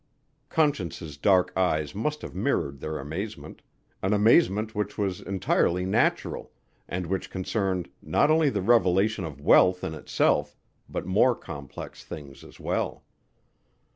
Conscience's dark eyes must have mirrored their amazement: an amazement which was entirely natural, and which concerned not only the revelation of wealth in itself, but more complex things as well.